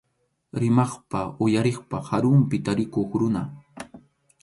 Rimaqpa uyariqpa karunpi tarikuq runa.